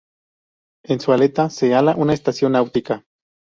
En su delta se hala una estación náutica.